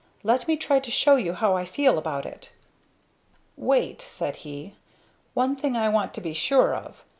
Let me try to show you how I feel about it." "Wait," said he. "One thing I want to be sure of.